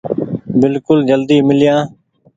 بلڪل جلدي ميليآن